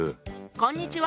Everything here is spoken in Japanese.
こんにちは。